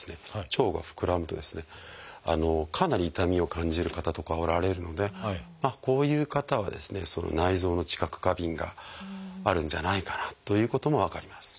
腸が膨らむとですねかなり痛みを感じる方とかはおられるのでこういう方はですね内臓の知覚過敏があるんじゃないかなということも分かります。